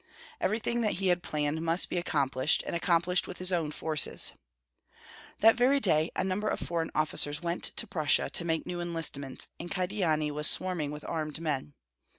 Everything that he had planned must be accomplished, and accomplished with his own forces. That very day a number of foreign officers went to Prussia to make new enlistments, and Kyedani was swarming with armed men.